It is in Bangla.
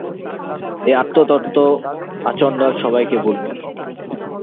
এই আত্মতত্ত্ব আচণ্ডাল সবাইকে বলবি।